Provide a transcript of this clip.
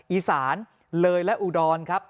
อีสานเลยและอุดรครับ